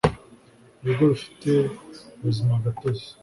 ibigo bifite ubuzimagatozi